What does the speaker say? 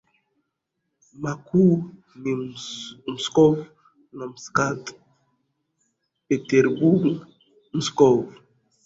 makuu ni Moscow na Sankt Peterburg Moscow